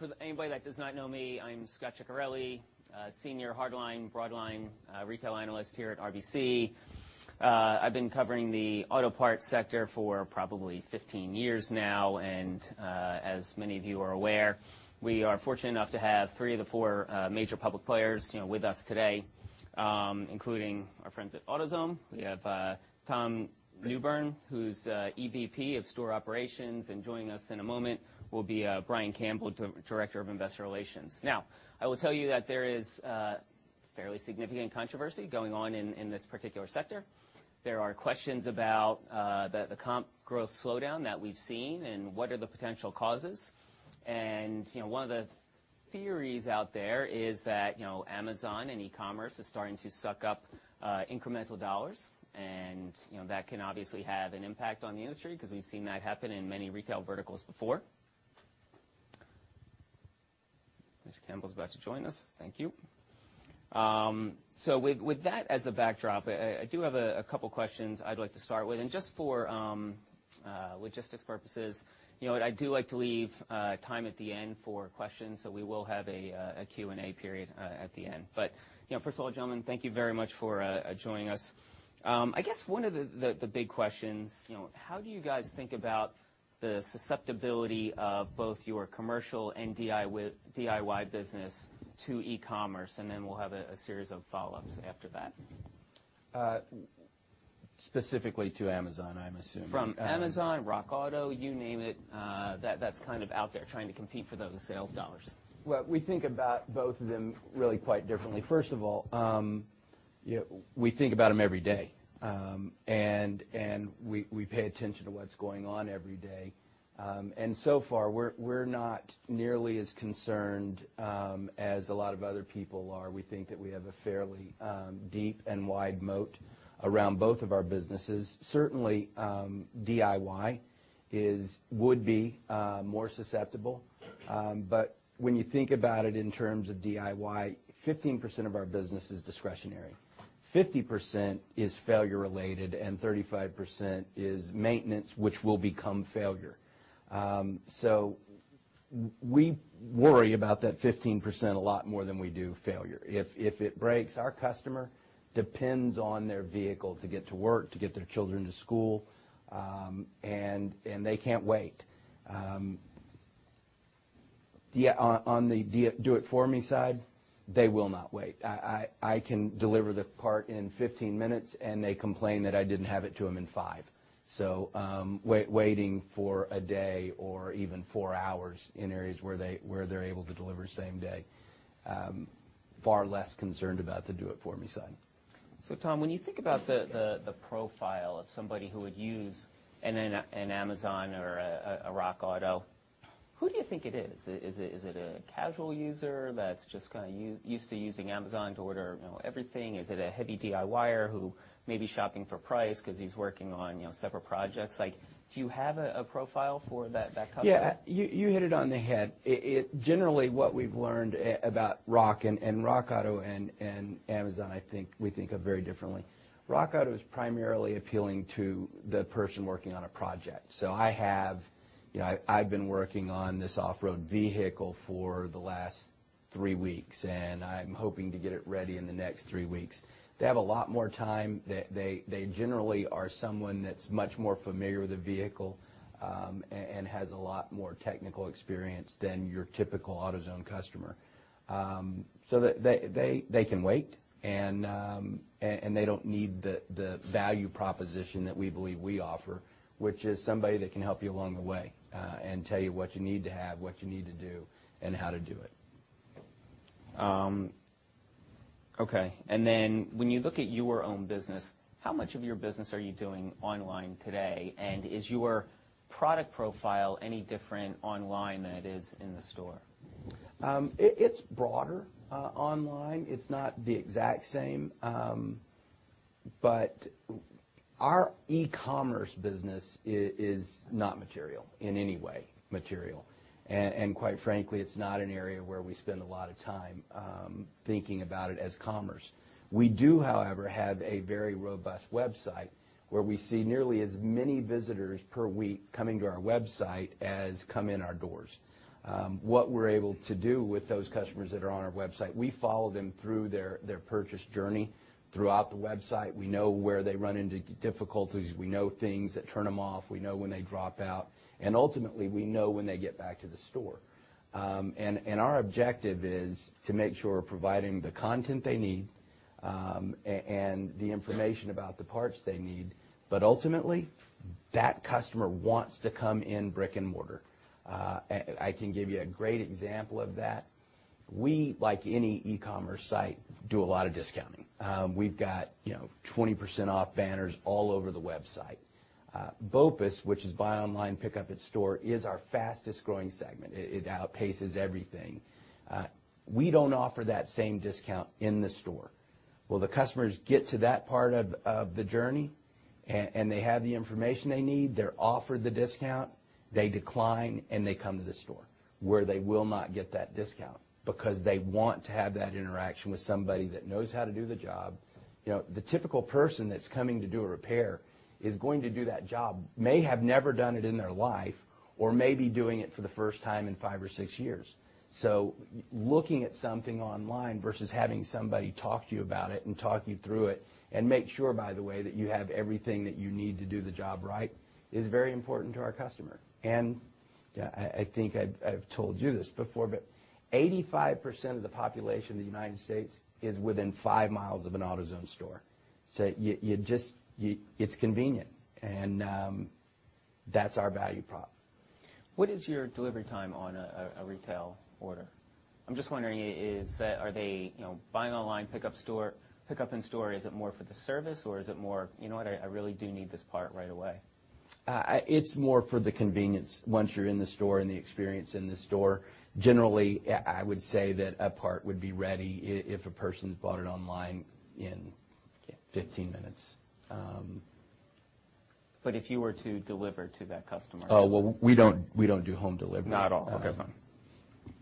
For anybody that does not know me, I'm Scot Ciccarelli, Senior Hardline, Broadline Retail Analyst here at RBC. I've been covering the auto parts sector for probably 15 years now, and as many of you are aware, we are fortunate enough to have three of the four major public players with us today, including our friends at AutoZone. We have Tom Newbern, who's EVP of store operations, and joining us in a moment will be Brian Campbell, Director of Investor Relations. I will tell you that there is fairly significant controversy going on in this particular sector. There are questions about the comp growth slowdown that we've seen and what are the potential causes. One of the theories out there is that Amazon and e-commerce is starting to suck up incremental dollars, and that can obviously have an impact on the industry because we've seen that happen in many retail verticals before. Mr. Campbell's about to join us. Thank you. With that as a backdrop, I do have a couple questions I'd like to start with, and just for logistics purposes, I do like to leave time at the end for questions, so we will have a Q&A period at the end. First of all, gentlemen, thank you very much for joining us. I guess one of the big questions, how do you guys think about the susceptibility of both your commercial and DIY business to e-commerce? Then we'll have a series of follow-ups after that. Specifically to Amazon, I'm assuming. From Amazon, RockAuto, you name it, that's kind of out there trying to compete for those sales dollars. We think about both of them really quite differently. First of all, we think about them every day. We pay attention to what's going on every day. So far, we're not nearly as concerned as a lot of other people are. We think that we have a fairly deep and wide moat around both of our businesses. Certainly, DIY would be more susceptible. When you think about it in terms of DIY, 15% of our business is discretionary. 50% is failure related, and 35% is maintenance, which will become failure. We worry about that 15% a lot more than we do failure. If it breaks, our customer depends on their vehicle to get to work, to get their children to school, and they can't wait. On the Do-It-For-Me side, they will not wait. I can deliver the part in 15 minutes, and they complain that I didn't have it to them in five. Waiting for a day or even four hours in areas where they're able to deliver same day, far less concerned about the Do-It-For-Me side. Tom, when you think about the profile of somebody who would use an Amazon or a RockAuto, who do you think it is? Is it a casual user that's just used to using Amazon to order everything? Is it a heavy DIYer who may be shopping for price because he's working on separate projects? Do you have a profile for that customer? You hit it on the head. Generally what we've learned about RockAuto and RockAuto and Amazon, I think we think of very differently. RockAuto is primarily appealing to the person working on a project. I've been working on this off-road vehicle for the last three weeks, and I'm hoping to get it ready in the next three weeks. They have a lot more time. They generally are someone that's much more familiar with a vehicle, and has a lot more technical experience than your typical AutoZone customer. They can wait, and they don't need the value proposition that we believe we offer, which is somebody that can help you along the way, and tell you what you need to have, what you need to do, and how to do it. Okay. When you look at your own business, how much of your business are you doing online today? Is your product profile any different online than it is in the store? It's broader online. It's not the exact same. Our e-commerce business is not material in any way material. Quite frankly, it's not an area where we spend a lot of time thinking about it as commerce. We do, however, have a very robust website where we see nearly as many visitors per week coming to our website as come in our doors. What we're able to do with those customers that are on our website, we follow them through their purchase journey throughout the website. We know where they run into difficulties. We know things that turn them off. We know when they drop out. Ultimately, we know when they get back to the store. Our objective is to make sure we're providing the content they need, and the information about the parts they need. Ultimately, that customer wants to come in brick and mortar. I can give you a great example of that. We, like any e-commerce site, do a lot of discounting. We've got 20% off banners all over the website. BOPUS, which is buy online, pick up in store, is our fastest growing segment. It outpaces everything. We don't offer that same discount in the store. Will the customers get to that part of the journey? They have the information they need. They're offered the discount, they decline, and they come to the store, where they will not get that discount because they want to have that interaction with somebody that knows how to do the job. The typical person that's coming to do a repair is going to do that job, may have never done it in their life, or may be doing it for the first time in five or six years. Looking at something online versus having somebody talk to you about it and talk you through it and make sure, by the way, that you have everything that you need to do the job right, is very important to our customer. I think I've told you this before, but 85% of the population in the United States is within five miles of an AutoZone store. It's convenient, and that's our value prop. What is your delivery time on a retail order? I'm just wondering, are they buy online, pickup in store, is it more for the service or is it more, "You know what? I really do need this part right away? It's more for the convenience once you're in the store and the experience in the store. Generally, I would say that a part would be ready if a person's bought it online in 15 minutes. If you were to deliver to that customer? Oh, well, we don't do home delivery. Not at all. Okay, fine.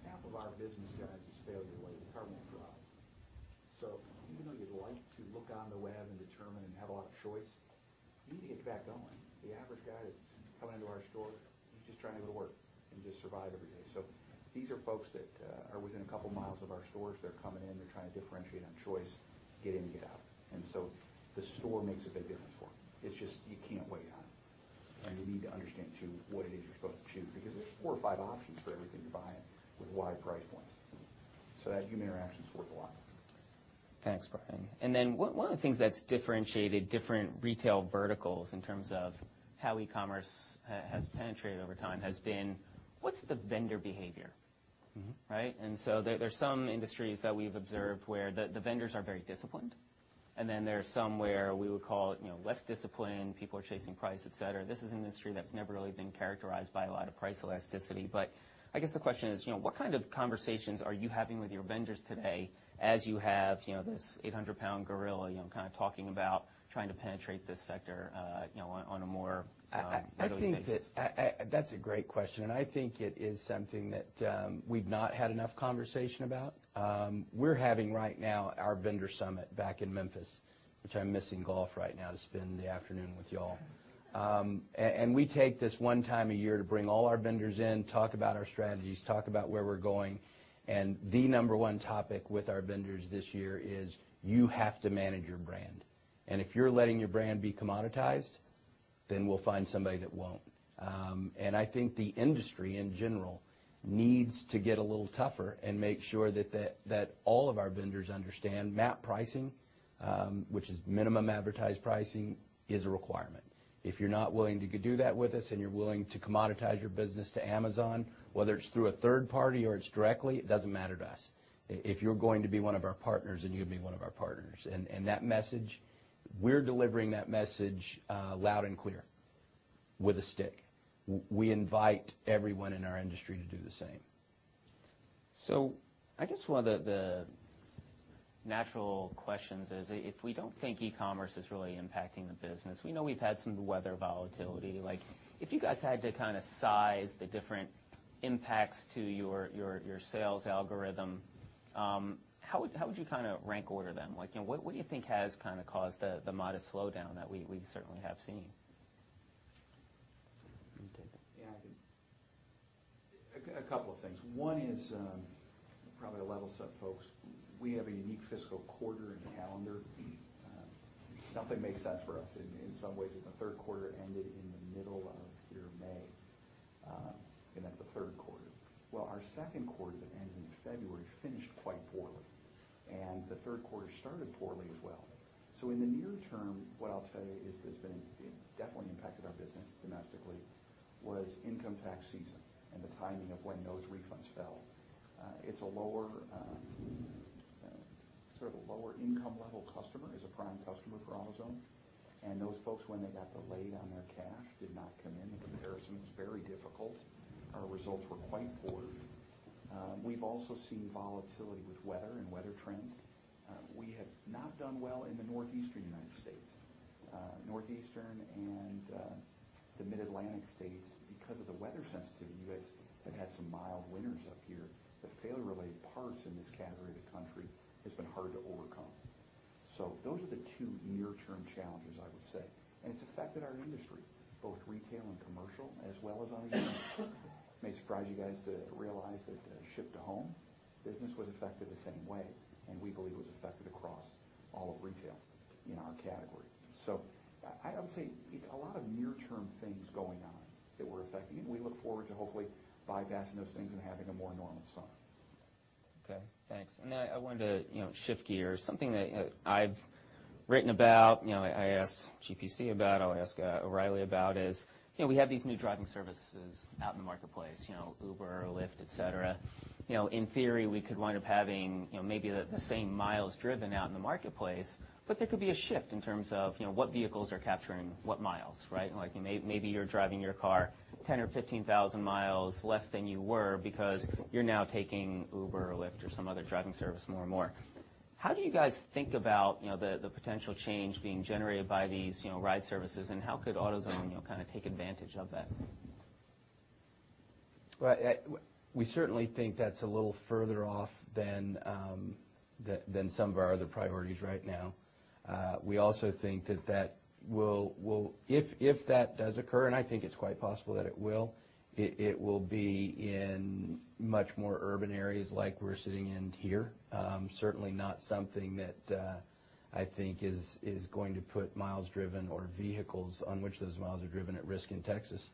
Half of our business, guys, is failure-related. The car won't drive. Even though you'd like to look on the web and determine and have a lot of choice, you need to get back going. The average guy that's coming into our store, he's just trying to go to work and just survive every day. These are folks that are within a couple of miles of our stores. They're coming in, they're trying to differentiate on choice, get in and get out. The store makes a big difference for them. It's just you can't wait on it. You need to understand, too, what it is you're supposed to choose, because there's four or five options for everything you're buying with wide price points. That human interaction is worth a lot. Thanks, Brian. One of the things that's differentiated different retail verticals in terms of how e-commerce has penetrated over time has been, what's the vendor behavior? Right? There's some industries that we've observed where the vendors are very disciplined, then there's some where we would call it less disciplined, people are chasing price, et cetera. This is an industry that's never really been characterized by a lot of price elasticity. I guess the question is, what kind of conversations are you having with your vendors today as you have this 800-pound gorilla, kind of talking about trying to penetrate this sector on a more regular basis? That's a great question, I think it is something that we've not had enough conversation about. We're having right now our vendor summit back in Memphis, which I'm missing golf right now to spend the afternoon with you all. We take this one time a year to bring all our vendors in, talk about our strategies, talk about where we're going, the number one topic with our vendors this year is you have to manage your brand. If you're letting your brand be commoditized, then we'll find somebody that won't. I think the industry, in general, needs to get a little tougher and make sure that all of our vendors understand MAP pricing, which is Minimum Advertised pricing, is a requirement. If you're not willing to do that with us and you're willing to commoditize your business to Amazon, whether it's through a third party or it's directly, it doesn't matter to us. If you're going to be one of our partners, then you're going to be one of our partners. That message, we're delivering that message loud and clear with a stick. We invite everyone in our industry to do the same. I guess one of the natural questions is, if we don't think e-commerce is really impacting the business, we know we've had some weather volatility. If you guys had to size the different impacts to your sales algorithm, how would you rank order them? What do you think has caused the modest slowdown that we certainly have seen? You want to take that? Yeah, I can. A couple of things. One is probably to level set folks. We have a unique fiscal quarter and calendar. Nothing makes sense for us in some ways. The third quarter ended in the middle of your May, and that's the third quarter. Well, our second quarter that ended in February finished quite poorly, and the third quarter started poorly as well. In the near term, what I'll tell you is that's definitely impacted our business domestically was income tax season and the timing of when those refunds fell. It's a lower income level customer is a prime customer for AutoZone, and those folks, when they got delayed on their cash, did not come in. The comparison was very difficult. Our results were quite poor. We've also seen volatility with weather and weather trends. We have not done well in the northeastern United States. Northeastern and the Mid-Atlantic states, because of the weather sensitivity, you guys have had some mild winters up here. The failure-related parts in this category of the country has been hard to overcome. Those are the two near-term challenges I would say, and it's affected our industry, both retail and commercial, as well as online. It may surprise you guys to realize that ship-to-home business was affected the same way, and we believe it was affected across all of retail in our category. I would say it's a lot of near-term things going on that we're affecting, and we look forward to hopefully bypassing those things and having a more normal summer. Okay, thanks. I wanted to shift gears. Something that I've written about, I asked GPC about, I'll ask O'Reilly about is, we have these new driving services out in the marketplace, Uber, Lyft, et cetera. In theory, we could wind up having maybe the same miles driven out in the marketplace, but there could be a shift in terms of what vehicles are capturing what miles, right? Maybe you're driving your car 10,000 or 15,000 miles less than you were because you're now taking Uber or Lyft or some other driving service more and more. How do you guys think about the potential change being generated by these ride services, and how could AutoZone take advantage of that? Well, we certainly think that's a little further off than some of our other priorities right now. We also think that if that does occur, and I think it's quite possible that it will, it will be in much more urban areas like we're sitting in here. Certainly not something that I think is going to put miles driven or vehicles on which those miles are driven at risk in Texas.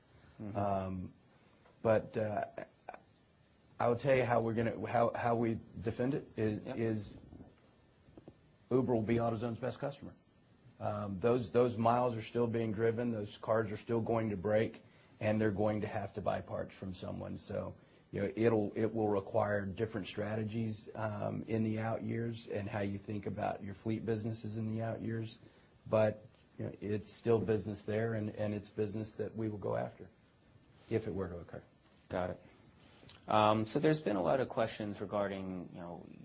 I will tell you how we defend it. Yeah Uber will be AutoZone's best customer. Those miles are still being driven, those cars are still going to break, and they're going to have to buy parts from someone. It will require different strategies in the out years and how you think about your fleet businesses in the out years, but it's still business there, and it's business that we will go after, if it were to occur. Got it. There's been a lot of questions regarding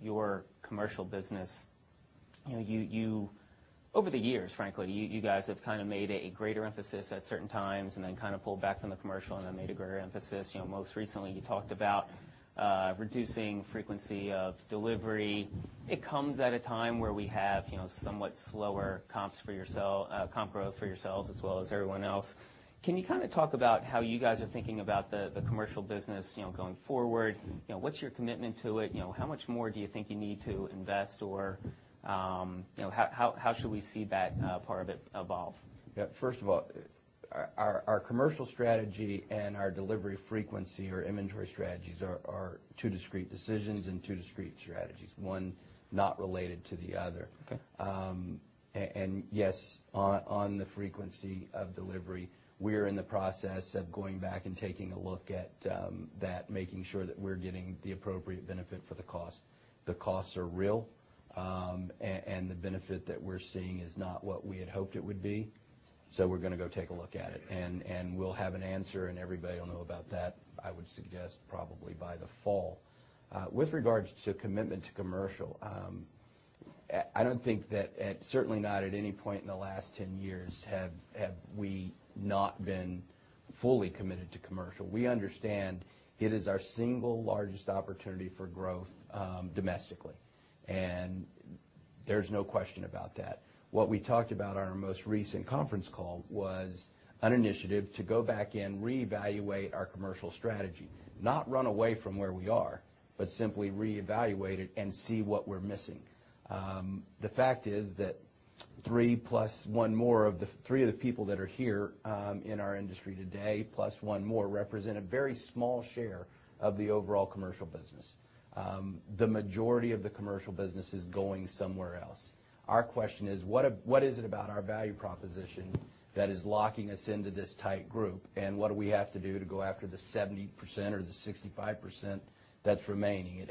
your commercial business. Over the years, frankly, you guys have kind of made a greater emphasis at certain times and then pulled back from the commercial and then made a greater emphasis. Most recently, you talked about reducing frequency of delivery. It comes at a time where we have somewhat slower comp growth for yourselves as well as everyone else. Can you talk about how you guys are thinking about the commercial business going forward? What's your commitment to it? How much more do you think you need to invest, or how should we see that part of it evolve? Yeah. First of all, our commercial strategy and our delivery frequency or inventory strategies are two discrete decisions and two discrete strategies, one not related to the other. Okay. Yes, on the frequency of delivery, we're in the process of going back and taking a look at that, making sure that we're getting the appropriate benefit for the cost. The costs are real, and the benefit that we're seeing is not what we had hoped it would be, so we're going to go take a look at it. We'll have an answer, and everybody will know about that, I would suggest probably by the fall. With regards to commitment to commercial, I don't think that at, certainly not at any point in the last 10 years have we not been fully committed to commercial. We understand it is our single largest opportunity for growth domestically, and there's no question about that. What we talked about on our most recent conference call was an initiative to go back in, reevaluate our commercial strategy, not run away from where we are, but simply reevaluate it and see what we're missing. The fact is that three of the people that are here in our industry today, plus one more, represent a very small share of the overall commercial business. The majority of the commercial business is going somewhere else. Our question is, what is it about our value proposition that is locking us into this tight group, and what do we have to do to go after the 70% or the 65% that's remaining?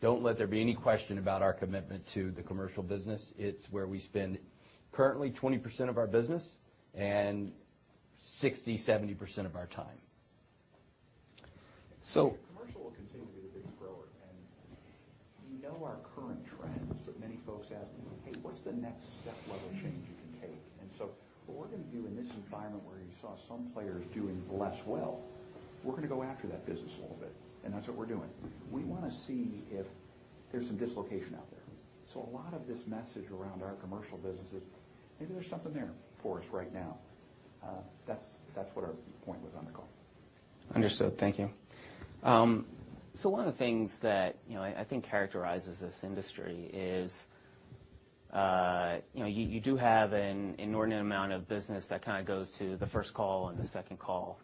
Don't let there be any question about our commitment to the commercial business. It's where we spend currently 20% of our business and 60%-70% of our time. So- Commercial will continue to be the biggest grower. We know our current trends, but many folks ask, "Hey, what's the next step-level change you can take?" What we're going to do in this environment where you saw some players doing less well, we're going to go after that business a little bit, and that's what we're doing. We want to see if there's some dislocation out there. A lot of this message around our commercial business is maybe there's something there for us right now. That's what our point was on the call. Understood. Thank you. One of the things that I think characterizes this industry is you do have an inordinate amount of business that kind of goes to the first call and the second call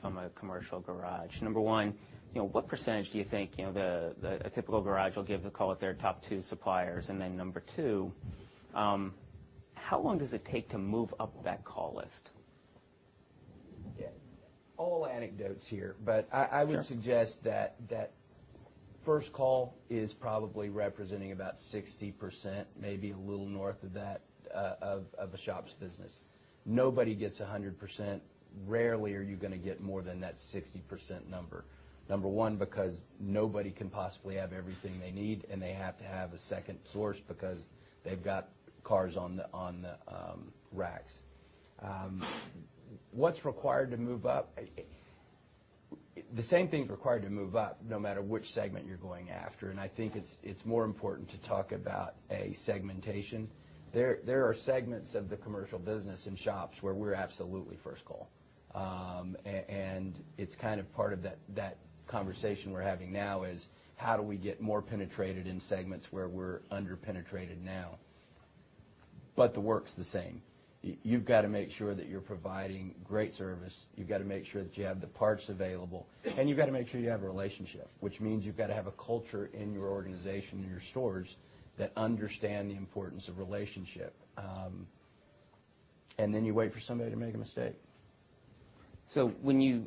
from a commercial garage. Number one, what % do you think a typical garage will give the call with their top two suppliers? Then number two, how long does it take to move up that call list? Yeah. All anecdotes here. Sure. I would suggest that first call is probably representing about 60%, maybe a little north of that, of a shop's business. Nobody gets 100%. Rarely are you going to get more than that 60% number. Number one, because nobody can possibly have everything they need, and they have to have a second source because they've got cars on the racks. What's required to move up? The same thing's required to move up no matter which segment you're going after, and I think it's more important to talk about a segmentation. There are segments of the commercial business in shops where we're absolutely first call. It's kind of part of that conversation we're having now is how do we get more penetrated in segments where we're under-penetrated now. The work's the same. You've got to make sure that you're providing great service, you've got to make sure that you have the parts available, and you've got to make sure you have a relationship, which means you've got to have a culture in your organization, in your stores, that understand the importance of relationship. Then you wait for somebody to make a mistake. When you,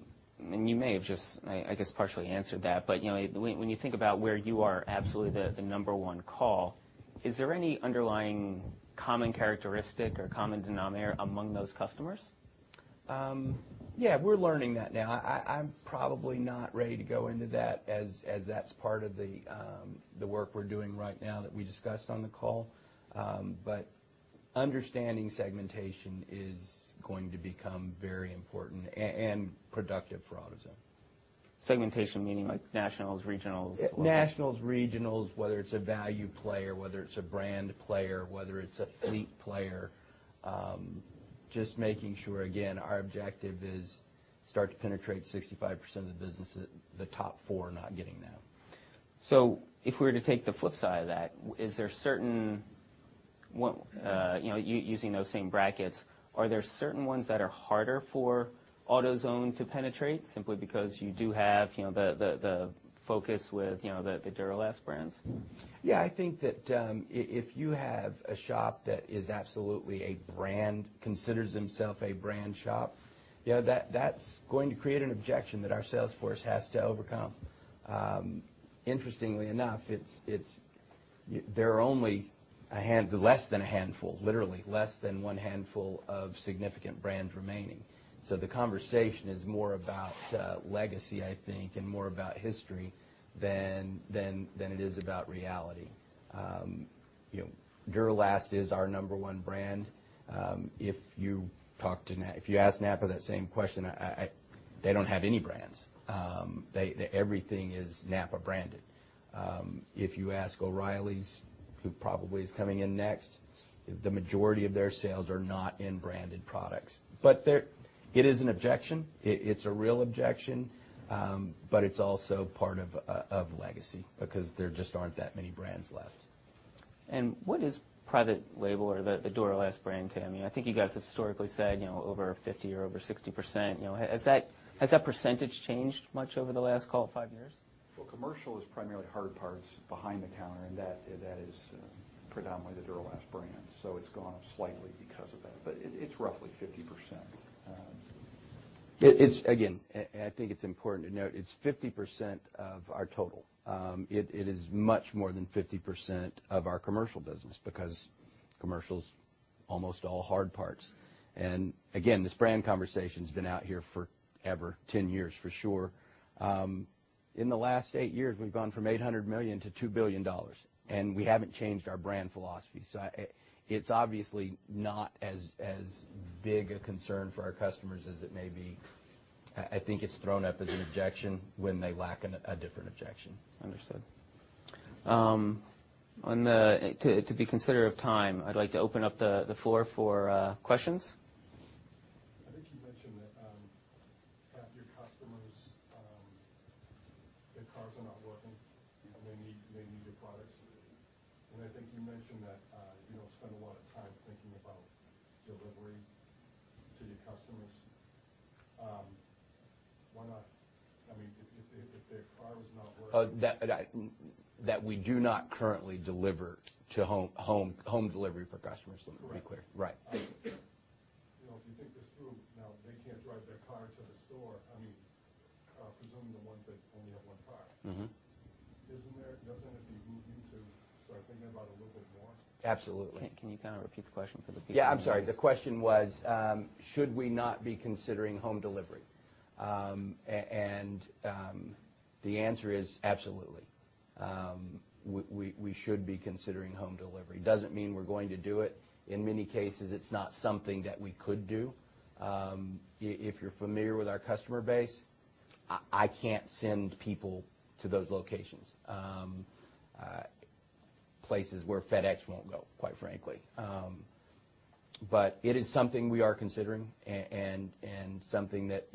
and you may have just, I guess, partially answered that, but when you think about where you are absolutely the number one call, is there any underlying common characteristic or common denominator among those customers? Yeah, we're learning that now. I'm probably not ready to go into that as that's part of the work we're doing right now that we discussed on the call. Understanding segmentation is going to become very important and productive for AutoZone. Segmentation meaning nationals, regionals, locals? Nationals, regionals, whether it's a value player, whether it's a brand player, whether it's a fleet player. Just making sure, again, our objective is start to penetrate 65% of the business that the top four are not getting now. If we were to take the flip side of that, using those same brackets, are there certain ones that are harder for AutoZone to penetrate simply because you do have the focus with the Duralast brands? I think that if you have a shop that is absolutely a brand, considers themself a brand shop, that's going to create an objection that our sales force has to overcome. Interestingly enough, there are only less than a handful, literally less than one handful of significant brands remaining. The conversation is more about legacy, I think, and more about history than it is about reality. Duralast is our number one brand. If you ask NAPA that same question, they don't have any brands. Everything is NAPA-branded. If you ask O'Reilly's, who probably is coming in next, the majority of their sales are not in branded products. It is an objection. It's a real objection. It's also part of a legacy because there just aren't that many brands left. What is private label or the Duralast brand to you? I think you guys have historically said over 50% or over 60%. Has that percentage changed much over the last, call it, five years? Commercial is primarily hard parts behind the counter, and that is predominantly the Duralast brand. It's gone up slightly because of that. It's roughly 50%. I think it's important to note it's 50% of our total. It is much more than 50% of our commercial business because commercial's almost all hard parts. This brand conversation's been out here forever, 10 years for sure. In the last eight years, we've gone from $800 million to $2 billion, and we haven't changed our brand philosophy. It's obviously not as big a concern for our customers as it may be. I think it's thrown up as an objection when they lack a different objection. Understood. To be considerate of time, I'd like to open up the floor for questions. I think you mentioned that half your customers, their cars are not working, and they need your products. I think you mentioned that you don't spend a lot of time thinking about delivery to your customers. If their car was not working- We do not currently deliver home delivery for customers. Let me be clear. Correct. Right. If you think this through, now they can't drive their car to the store, presuming the ones that only have one car. Doesn't it behoove you to start thinking about it a little bit more? Absolutely. Can you repeat the question for the people on the call? Yeah, I'm sorry. The question was, should we not be considering home delivery? The answer is absolutely. We should be considering home delivery. Doesn't mean we're going to do it. In many cases, it's not something that we could do. If you're familiar with our customer base, I can't send people to those locations. Places where FedEx won't go, quite frankly. It is something we are considering and something that,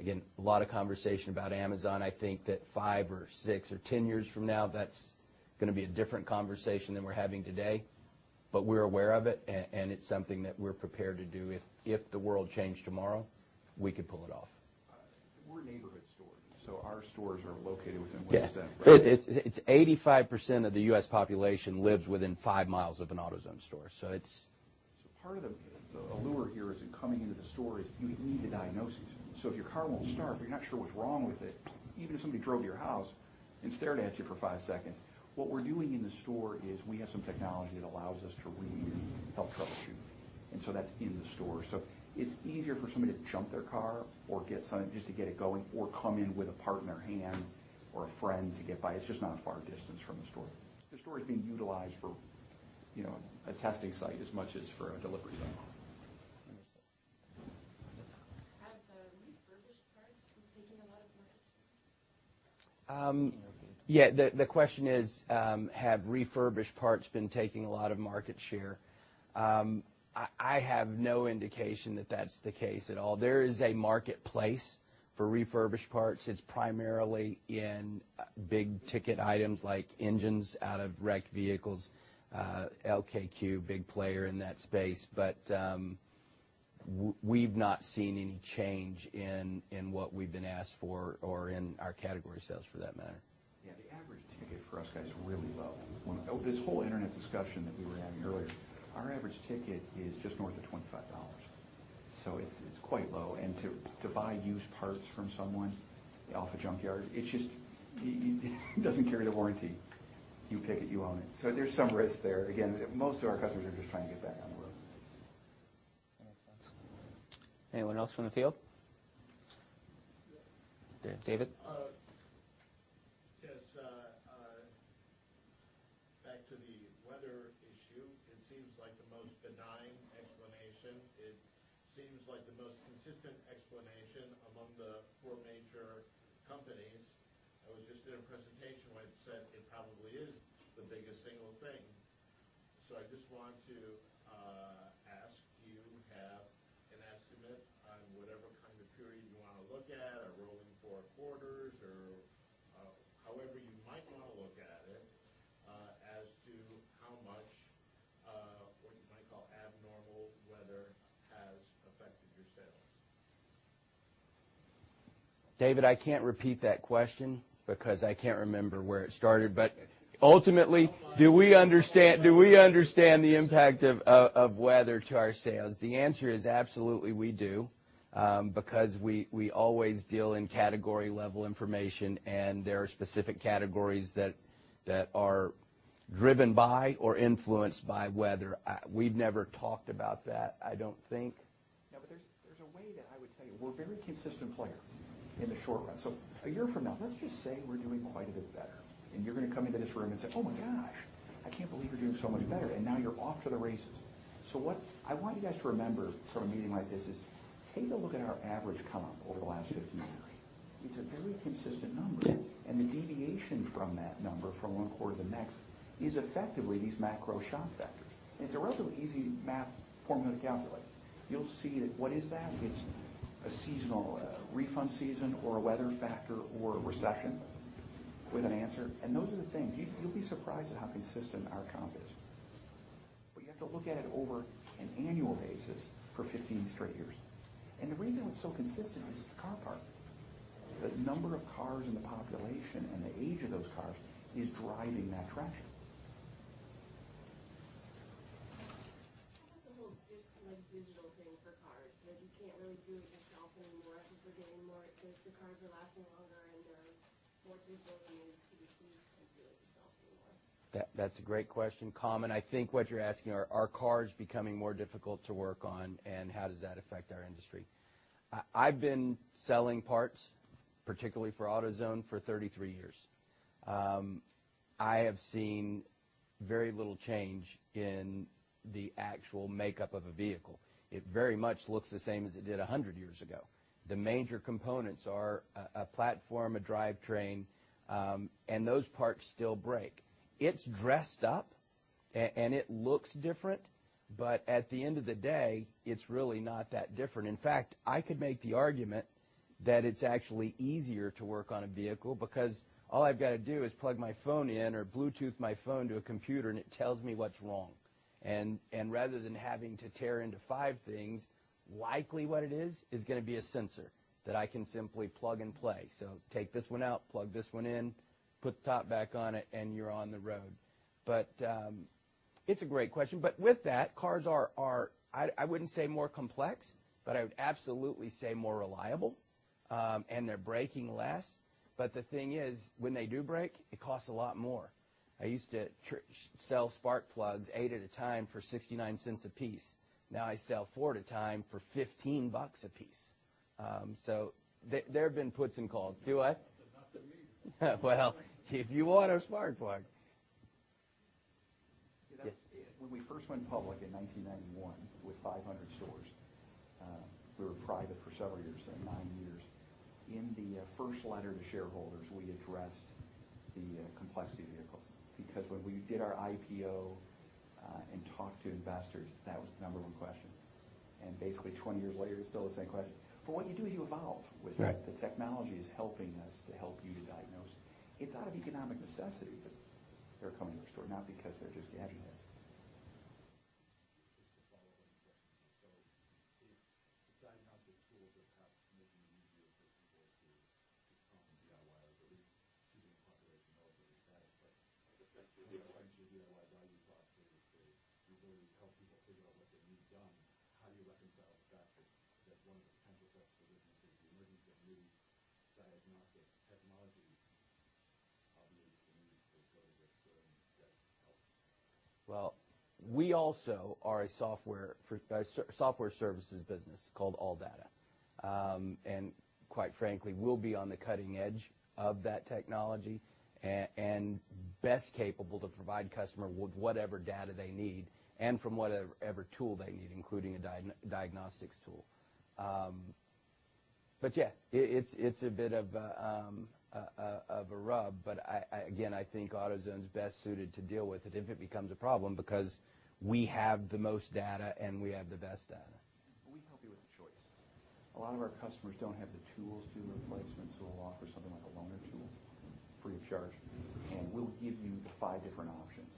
again, a lot of conversation about Amazon. I think that five or six or 10 years from now, that's going to be a different conversation than we're having today. We're aware of it, and it's something that we're prepared to do. If the world changed tomorrow, we could pull it off. We're a neighborhood store, our stores are located within walking distance. Yeah. 85% of the U.S. population lives within five miles of an AutoZone store. Part of the allure here is in coming into the store is you need the diagnosis. If your car won't start, but you're not sure what's wrong with it, even if somebody drove to your house and stared at you for five seconds, what we're doing in the store is we have some technology that allows us to really help troubleshoot. That's in the store. It's easier for somebody to jump their car or get something just to get it going, or come in with a part in their hand or a friend to get by. It's just not a far distance from the store. The store is being utilized for a testing site as much as for a delivery zone. Understood. Have refurbished parts been taking a lot of market share? Yeah, the question is, have refurbished parts been taking a lot of market share? I have no indication that that's the case at all. There is a marketplace for refurbished parts. It's primarily in big-ticket items like engines out of wrecked vehicles. LKQ, big player in that space. We've not seen any change in what we've been asked for or in our category sales for that matter. The average ticket for us guys is really low. This whole internet discussion that we were having earlier, our average ticket is just north of $25. It's quite low. To buy used parts from someone off a junkyard, it doesn't carry the warranty. You pick it, you own it. There's some risk there. Again, most of our customers are just trying to get back on the road. Anyone else from the field? David? Yes. Back to the weather issue, it seems like the most benign explanation. It seems like the most consistent explanation among the four major companies. I was just in a presentation where it said it probably is the biggest single thing. I just want to ask, do you have an estimate on whatever kind of period you want to look at, a rolling four quarters or however you might want to look at it, as to how much, what you might call abnormal weather has affected your sales? David, I can't repeat that question because I can't remember where it started, ultimately, do we understand the impact of weather to our sales? The answer is absolutely we do, because we always deal in category-level information, and there are specific categories that are driven by or influenced by weather. We've never talked about that, I don't think. No, there's a way that I would tell you, we're a very consistent player in the short run. A year from now, let's just say we're doing quite a bit better, and you're going to come into this room and say, "Oh my gosh, I can't believe you're doing so much better," and now you're off to the races. What I want you guys to remember from a meeting like this is take a look at our average comp over the last 15 years. It's a very consistent number. The deviation from that number from one quarter to the next is effectively these macro shock factors. It's a relatively easy math formula to calculate. You'll see that what is that? It's a seasonal refund season or a weather factor or a recession with an answer, those are the things. You'll be surprised at how consistent our comp is. You have to look at it over an annual basis for 15 straight years. The reason it's so consistent is the car parc. The number of cars in the population and the age of those cars is driving that traction. How about the whole digital thing for cars, that you can't really do it yourself anymore since the cars are lasting longer and there are more people that need to just come to you than do it yourself anymore? That's a great question, common. I think what you're asking are cars becoming more difficult to work on, and how does that affect our industry? I've been selling parts, particularly for AutoZone, for 33 years. I have seen very little change in the actual makeup of a vehicle. It very much looks the same as it did 100 years ago. The major components are a platform, a drivetrain, those parts still break. It's dressed up, and it looks different. At the end of the day, it's really not that different. In fact, I could make the argument that it's actually easier to work on a vehicle because all I've got to do is plug my phone in or Bluetooth my phone to a computer, and it tells me what's wrong. Rather than having to tear into five things, likely what it is is going to be a sensor that I can simply plug and play. Take this one out, plug this one in, put the top back on it, and you're on the road. It's a great question. With that, cars are, I wouldn't say more complex, but I would absolutely say more reliable. They're breaking less. The thing is, when they do break, it costs a lot more. I used to sell spark plugs eight at a time for $0.69 a piece. Now I sell four at a time for $15 a piece. There have been puts and calls. Do I? Not to me. Well, if you want a spark plug. When we first went public in 1991 with 500 stores, we were private for several years then, nine years. In the first letter to shareholders, we addressed the complexity of vehicles, because when we did our IPO Well, we also are a software services business called ALLDATA. Quite frankly, we'll be on the cutting edge of that technology and best capable to provide customer with whatever data they need and from whatever tool they need, including a diagnostics tool. Yeah, it's a bit of a rub, but again, I think AutoZone's best suited to deal with it if it becomes a problem because we have the most data, and we have the best data. We help you with the choice. A lot of our customers don't have the tools to do replacements, so we'll offer something like a loaner tool free of charge, and we'll give you five different options.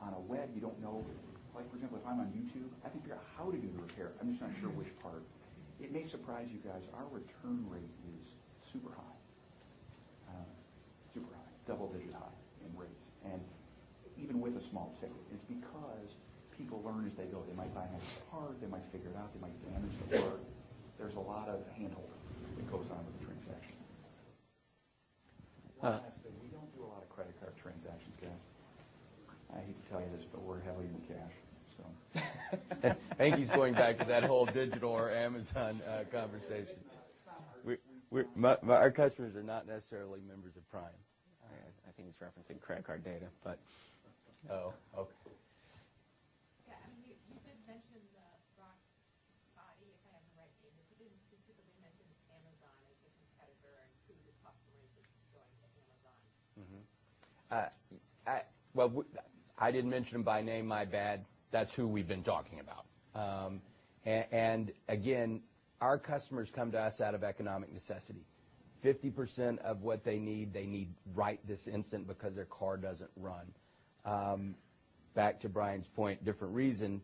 On a web, you don't know. For example, if I'm on YouTube, I can figure out how to do the repair. I'm just not sure which part. It may surprise you guys, our return rate is super high. Super high. Double-digit high in rates. Even with a small ticket, it's because people learn as they go. They might buy the wrong part. They might figure it out. They might damage the part. There's a lot of hand-holding that goes on with a transaction. One last thing. We don't do a lot of credit card transactions, guys. I hate to tell you this, but we're heavy in cash. I think he's going back to that whole digital or Amazon conversation. It's not about our customers. Our customers are not necessarily members of Prime. I think he's referencing credit card data. Oh, okay. Yeah. You did mention the RockAuto to kind of have the right name, but you didn't specifically mention Amazon as a competitor and who the customer is that's going to Amazon. Mm-hmm. Well, I didn't mention them by name, my bad. That's who we've been talking about. Again, our customers come to us out of economic necessity. 50% of what they need, they need right this instant because their car doesn't run. Back to Brian's point, different reason,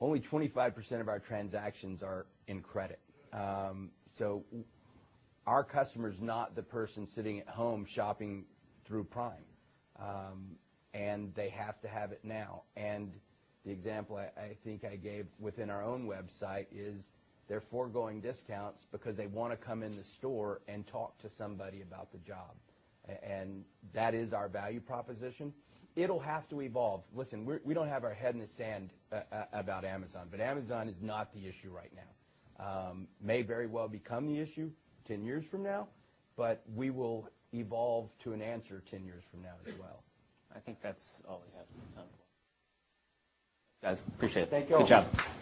only 25% of our transactions are in credit. Our customer's not the person sitting at home shopping through Prime. They have to have it now. The example I think I gave within our own website is they're foregoing discounts because they want to come in the store and talk to somebody about the job. That is our value proposition. It'll have to evolve. Listen, we don't have our head in the sand about Amazon is not the issue right now. May very well become the issue 10 years from now, but we will evolve to an answer 10 years from now as well. I think that's all we have for time. Guys, appreciate it. Thank you all. Good job.